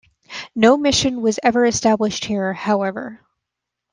No mission was ever established here, however.